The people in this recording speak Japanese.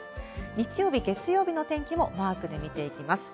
日曜日、月曜日の天気もマークで見ていきます。